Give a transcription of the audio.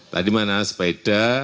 tadi mana sepeda